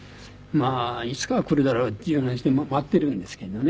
まあいつかは来るだろうっていうので待っているんですけれどね。